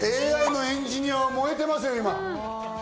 ＡＩのエンジニアは燃えてますよ、今。